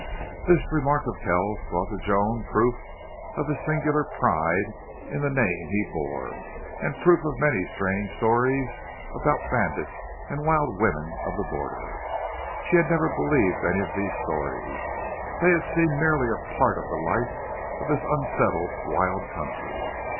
This remark of Kells's brought to Joan proof of his singular pride in the name he bore, and proof of many strange stories about bandits and wild women of the border. She had never believed any of these stories. They had seemed merely a part of the life of this unsettled wild country.